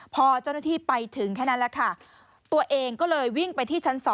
พอเจ้าหน้าที่ไปถึงแค่นั้นแหละค่ะตัวเองก็เลยวิ่งไปที่ชั้น๒